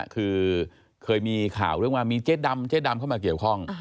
คือเคยมีข่าวเรื่องว่ามีเจ๊ดำเจ๊ดำเข้ามาเกี่ยวข้อง